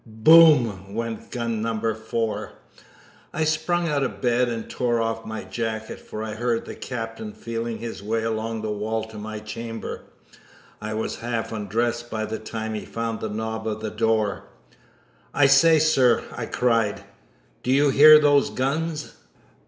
"BOOM!" went gun number four. I sprung out of bed and tore off my jacket, for I heard the Captain feeling his way along the wall to my chamber. I was half undressed by the time he found the knob of the door. "I say, sir," I cried, "do you hear those guns?"